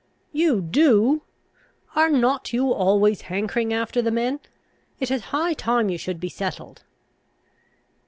"You do! Are not you always hankering after the men? It is high time you should be settled."